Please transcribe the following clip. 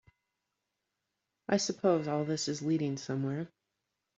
I suppose all this is leading somewhere?